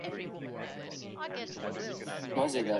This book became "the" petrology handbook.